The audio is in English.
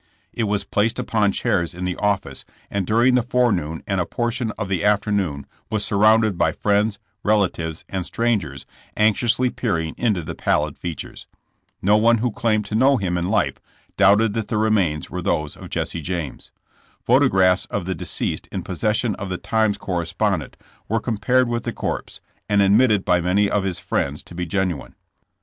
It was placed upon chairs in the office, and during the forenoon and a portion of the afternoon was surrounded by friends, relatives and strangers anxiously peering into the pallid features. No one who claimed to know him in life doubted that the remains were those of Jesse James. Photographs of the deceased in pos session of the Times correspondent were compared with the corpse, and admitted by many of his friends to be genuine.